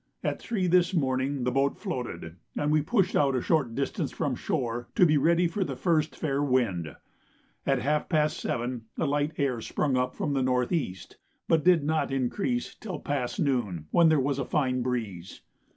At 3 this morning the boat floated, and we pushed out a short distance from shore to be ready for the first fair wind. At half past seven a light air sprung up from N.E., but did not increase till past noon, when there was a fine breeze.